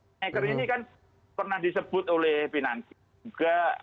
kingmaker ini kan pernah disebut oleh pinangki juga